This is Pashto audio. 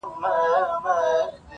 د وخت له کانه به را باسمه غمي د الماس,